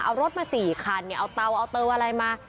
เอารถมาสี่คันเนี่ยเอาเตาเอาเติวอะไรมา